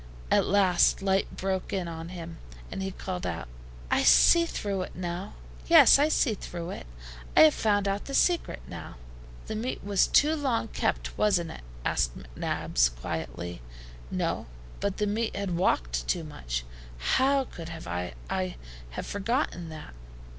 At last light broke in on him, and he called out: "I see through it now! Yes, I see through it. I have found out the secret now." "The meat was too long kept, was it?" asked McNabbs, quietly. "No, but the meat had walked too much. How could I have forgotten that?"